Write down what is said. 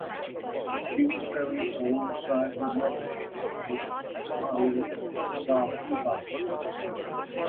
She was buried alongside her mother, Mushtari Sahiba.